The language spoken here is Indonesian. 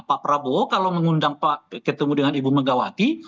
pak prabowo kalau mengundang ketemu dengan ibu megawati